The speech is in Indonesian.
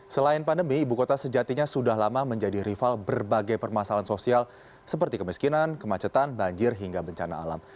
selain pandemi ibu kota sejatinya sudah lama menjadi rival berbagai permasalahan sosial seperti kemiskinan kemacetan banjir hingga bencana alam